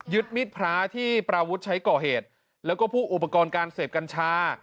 มิดพระที่ปราวุฒิใช้ก่อเหตุแล้วก็พวกอุปกรณ์การเสพกัญชา